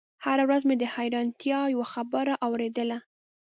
هره ورځ مې د حيرانتيا يوه نوې خبره اورېدله.